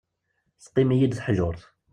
Teqqim-iyi-d teḥjurt.